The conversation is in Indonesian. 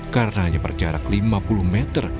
karena hanya berjarak lima puluh meter